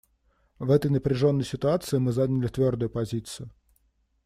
В этой напряженной ситуации мы заняли твердую позицию.